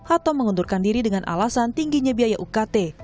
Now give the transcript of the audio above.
atau mengundurkan diri dengan alasan tingginya biaya ukt